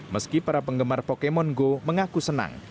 meski para penggemar pokemon go mengaku senang